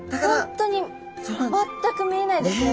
本当に全く見えないですね